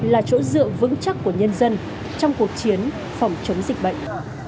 là chỗ dựa vững chắc của nhân dân trong cuộc chiến phòng chống dịch bệnh